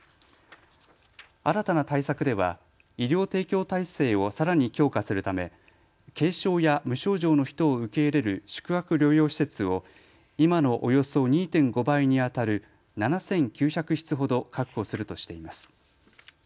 新たな対策では医療提供体制をさらに強化するため軽症や無症状の人を受け入れる宿泊療養施設を今のおよそ２．５倍にあたる７９００室ほど確保するとしています。